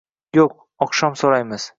Yo'q, oqshom so'raymiz.